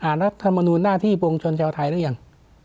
อ่านรัฐธรรมนุนหน้าที่วงชนเจ้าไทยหรือยัง